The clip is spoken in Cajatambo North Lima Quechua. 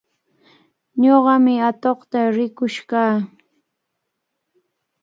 Ñuqami atuqta rirqush kaa.